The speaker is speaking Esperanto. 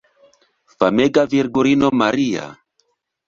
Famega Virgulino Maria!